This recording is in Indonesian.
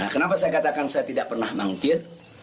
kenapa saya katakan saya tidak pernah mangkir